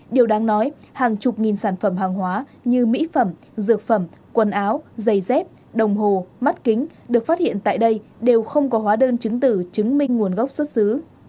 điều đáng nói hàng chục nghìn sản phẩm hàng hóa như mỹ phẩm dược phẩm quần áo giày dép đồng hồ mắt kính được phát hiện tại đây đều không có hóa đơn chứng tử chứng minh nguồn gốc xuất xứ